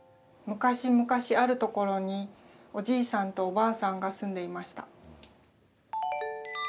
昔々あるところにおじいさんとおばあさんが住んでいました。